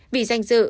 vì danh dự